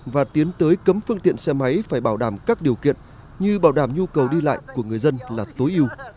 và tiến tới cấm phương tiện xe máy phải bảo đảm các điều kiện như bảo đảm nhu cầu đi lại của người dân là tối yêu